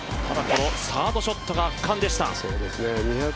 このサードショットが圧巻でした。